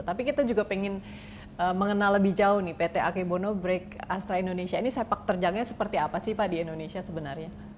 tapi kita juga pengen mengenal lebih jauh nih pt akebono break astra indonesia ini sepak terjangnya seperti apa sih pak di indonesia sebenarnya